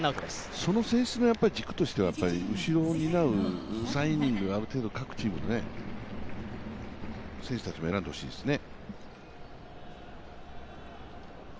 その選出が軸としては、後ろを担う、３イニング、各チーム、選手たちも選んでほしいですよね。